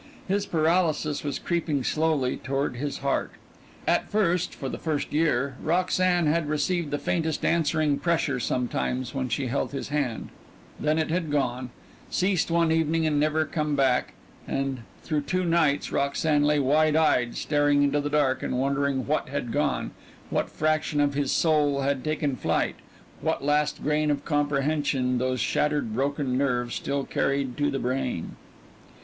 His paralysis was creeping slowly toward his heart. At first for the first year Roxanne had received the faintest answering pressure sometimes when she held his hand then it had gone, ceased one evening and never come back, and through two nights Roxanne lay wide eyed, staring into the dark and wondering what had gone, what fraction of his soul had taken flight, what last grain of comprehension those shattered broken nerves still carried to the brain.